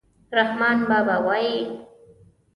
رحمان بابا وایي: